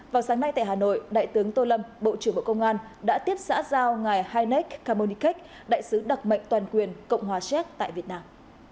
vào sáng nay tại hà nội đại tướng tô lâm bộ trưởng bộ công an đã tiếp xã giao ngài henned camonike đại sứ đặc mệnh toàn quyền cộng hòa xéc tại việt nam